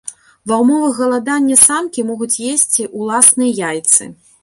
Ва ўмовах галадання самкі могуць есці ўласныя яйцы.